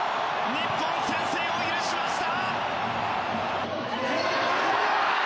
日本先制を許しました。